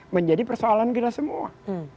menjadi persoalan kita semua